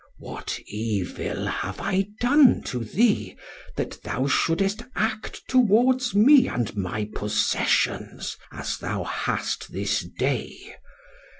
What evil have I done to thee, that thou shouldest act towards me and my possessions, as thou hast this day?